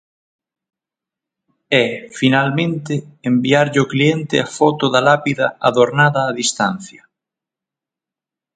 E, finalmente, enviarlle ao cliente a foto da lápida adornada a distancia.